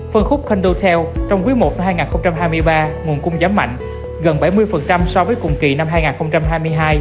phân khúc kendotel trong quý i năm hai nghìn hai mươi ba nguồn cung giảm mạnh gần bảy mươi so với cùng kỳ năm hai nghìn hai mươi hai